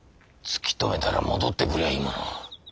突き止めたら戻ってくりゃいいものを。